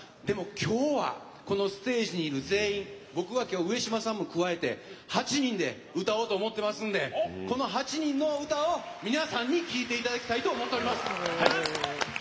今日はこのステージにいる全員に僕は上島さんも加えて８人で歌おうと思っているのでこの８人の歌を皆さんに聴いていただきたいです。